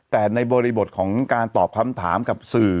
แต่ในบริบทของการตอบคำถามกับสื่อ